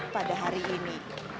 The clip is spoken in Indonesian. pada hari ini